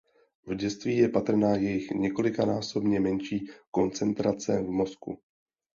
V dětství je patrná jejich několikanásobně menší koncentrace v "mozku".